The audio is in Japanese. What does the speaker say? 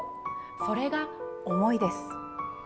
それが「思い」です。